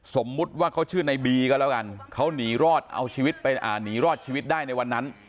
สมมุติว่าเขาชื่อในบีก็แล้วกันเขาหนีรอดเอาชีวิตไปหนีรอดชีวิตได้ในวันนั้น